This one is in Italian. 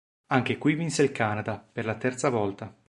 Anche qui vinse il Canada, per la terza volta.